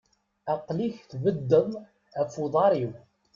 Aql-ik tebeddeḍ af uḍaṛ-iw!